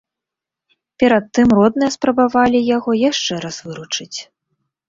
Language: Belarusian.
Перад тым родныя спрабавалі яго яшчэ раз выручыць.